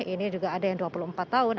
ini juga ada yang dua puluh empat tahun